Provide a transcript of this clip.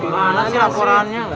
mana sih laporannya